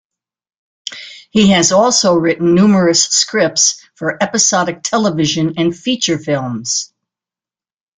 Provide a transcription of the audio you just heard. He has also written numerous scripts for episodic television and feature films.